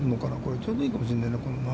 ちょうどいいかもしれないな。